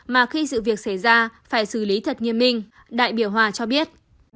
mà khi sự việc xảy ra phải xử lý thật nghiêm minh đại biểu hòa cho biết